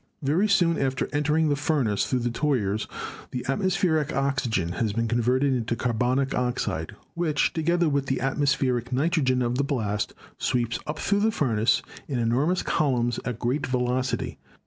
Very soon after entering the furnace through the tuyeres the atmospheric oxygen has been converted into carbonic oxide, which, together with the atmospheric nitro gen of the blast, sweeps up through the furnace in enor mous columns at great velocity.